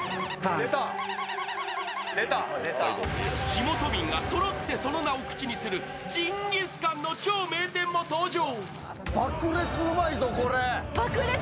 地元民がそろってその名を口にする、ジンギスカンの超有名店も登場。